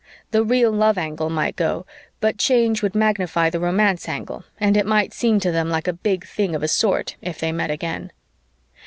The real love angle might go, but Change would magnify the romance angle and it might seem to them like a big thing of a sort if they met again.